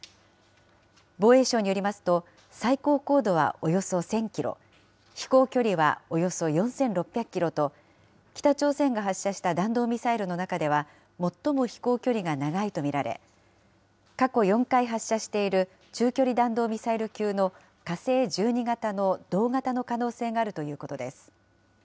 防衛省によりますと、最高高度はおよそ１０００キロ、飛行距離はおよそ４６００キロと、北朝鮮が発射した弾道ミサイルの中では最も飛行距離が長いと見られ、過去４回発射している中距離弾道ミサイル級の火星１２型の同型の可能性があるということです。